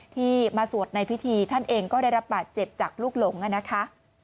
ที่มาสวดในพิธีท่านเองก็ได้รับบาดเจ็บจากลูกหลงนะคะ